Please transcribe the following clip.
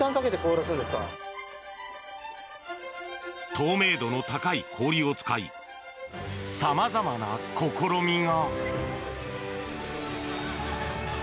透明度の高い氷を使いさまざまな試みが。